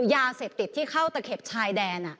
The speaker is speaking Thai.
ยาเสพติดที่เข้าตะเข็บชายแดน